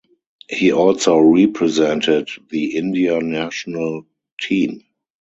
He also represented the India national team.